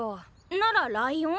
ならライオン？